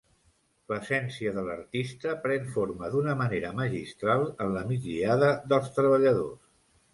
L'essència de l'artista pren forma d'una manera magistral en la migdiada dels treballadors.